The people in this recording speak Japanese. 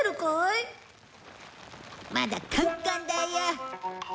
まだカンカンだよ。